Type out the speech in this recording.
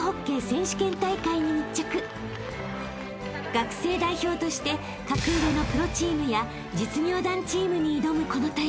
［学生代表として格上のプロチームや実業団チームに挑むこの大会］